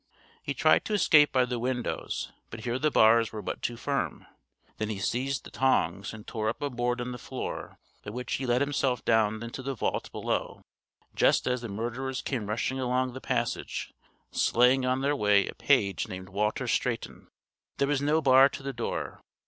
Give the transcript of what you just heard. He tried to escape by the windows, but here the bars were but too firm. Then he seized the tongs, and tore up a board in the floor, by which he let himself down into the vault below, just as the murderers came rushing along the passage, slaying on their way a page named Walter Straiton. There was no bar to the door.